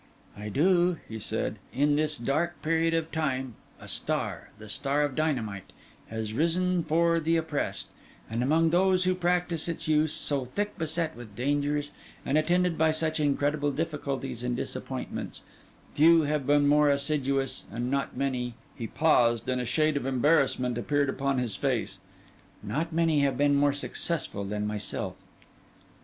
'I do,' he said. 'In this dark period of time, a star—the star of dynamite—has risen for the oppressed; and among those who practise its use, so thick beset with dangers and attended by such incredible difficulties and disappointments, few have been more assiduous, and not many—' He paused, and a shade of embarrassment appeared upon his face—'not many have been more successful than myself.